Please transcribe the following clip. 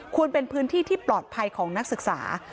เป็นพื้นที่ที่ปลอดภัยของนักศึกษา